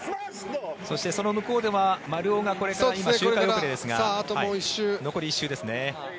そして、その向こうでは丸尾がこれから周回遅れですが残り１周ですね。